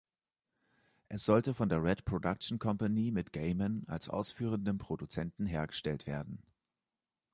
Es sollte von der Red Production Company mit Gaiman als ausführendem Produzenten hergestellt werden.